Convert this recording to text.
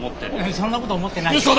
そんなこと思ってないよ。